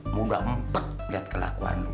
muda empet liat kelakuan lu